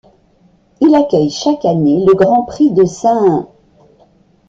Il accueille chaque année le Grand Prix de St.